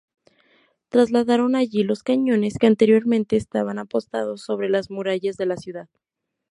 Trasladaron allí los cañones que anteriormente estaban apostados sobre las murallas de la ciudad.